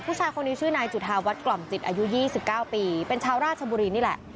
ผู้ชายคนนี้ชื่อนายจุธาวัฒน์กล่อมจิตอายุ๒๙ปีเป็นชาวราชบุรีนี่แหละ